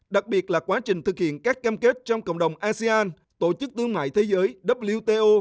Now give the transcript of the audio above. đặc biệt là quá trình thực hiện các cam kết trong cộng đồng asean tổ chức tương mại thế giới wto